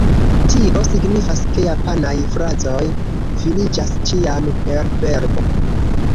Tio signifas ke japanaj frazoj finiĝas ĉiam per verbo.